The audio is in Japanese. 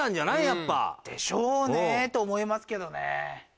でしょうねと思いますけどね。